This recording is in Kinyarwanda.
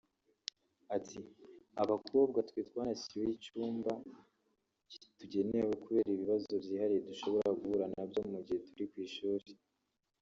Ati “Abakobwa twe twanashyiriweho icyumba kitugenewe kubera ibibazo byihariye dushobora guhura nabyo mu gihe turi ku ishuri